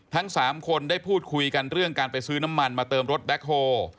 ทั้ง๓คนได้พูดคุยกันเรื่องการไปซื้อน้ำมันมาเติมรถแบ็คโฮ